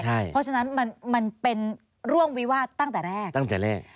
เพราะฉะนั้นมันเป็นเรื่องวิวาสตั้งแต่แรกตั้งแต่แรก